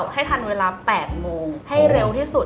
ให้ทันเวลา๘โมงให้เร็วที่สุด